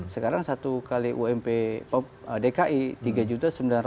sekarang satu kali ump dki tiga juta sembilan ratus empat puluh ribu dolar